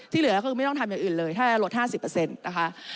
ที่เหลือก็ไม่ต้องทำอย่างอื่นเลยถ้ารวด๕๐เปอร์เซ็นต์นะคะ